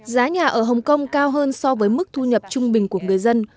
giá nhà ở hồng kông cao hơn so với mức thu nhập trung bình của người dân